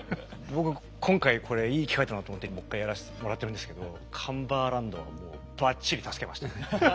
僕今回これいい機会だなと思ってもう一回やらせてもらってるんですけどカンバーランドはもうバッチリ助けましたね。